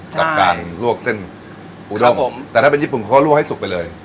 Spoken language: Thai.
กับการลวกเส้นอุดมแต่ถ้าเป็นญี่ปุ่นเขาก็ลวกให้สุกไปเลย